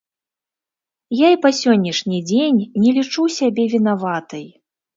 Я і па сённяшні дзень не лічу сябе вінаватай.